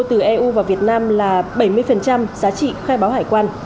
từ eu vào việt nam là bảy mươi giá trị khai báo hải quan